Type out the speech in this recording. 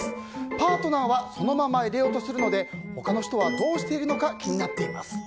パートナーはそのまま入れようとするので他の人はどうしているのか気になっています。